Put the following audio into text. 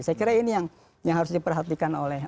saya kira ini yang harus diperhatikan oleh